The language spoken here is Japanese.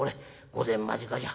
御前間近じゃ。